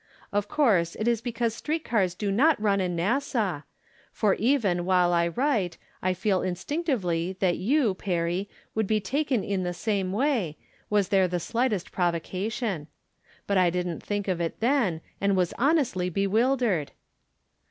Of course it is because street cars do not run in Nassau, for, even while I write, I feel instinc tively that you. Perry, would be taken in the same way, was there the slightest provocation. But I didn't think of it then, and was honestly bewildered.